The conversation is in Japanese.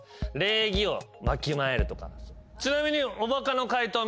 ちなみに。